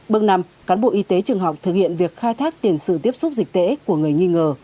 bước năm cán bộ y tế trường học thực hiện việc khai thác tiền sử tiếp xúc dịch tễ của người nghi ngờ